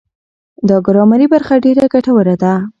دا ګرامري برخه ډېره ګټوره ده.